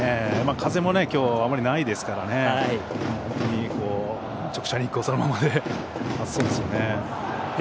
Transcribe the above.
風もあまりないですから直射日光そのままで暑そうですよね。